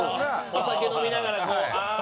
お酒飲みながらこうああー！